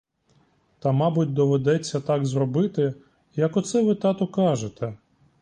Та, мабуть, доведеться так зробити, як оце ви, тату, кажете.